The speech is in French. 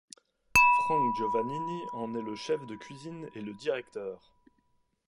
Franck Giovannini en est le chef de cuisine et le directeur.